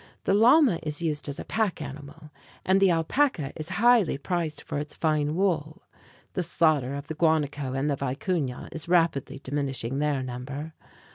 The llama is used as a pack animal; and the alpaca is highly prized for its fine wool. The slaughter of the guanaco and the vicuña is rapidly diminishing their number.